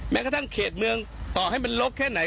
แม้กระทั่งเขตเมืองต่อให้มันลบแค่ไหน